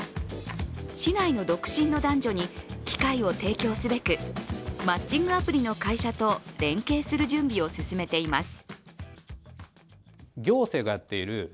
市内の独身の男女に機会を提供すべくマッチングアプリの会社と連携する準備を進めています。